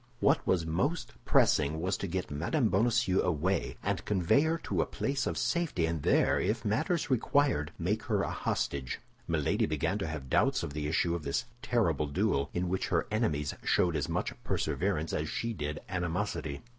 What was most pressing was to get Mme. Bonacieux away, and convey her to a place of safety, and there, if matters required, make her a hostage. Milady began to have doubts of the issue of this terrible duel, in which her enemies showed as much perseverance as she did animosity.